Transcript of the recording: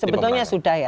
sebetulnya sudah ya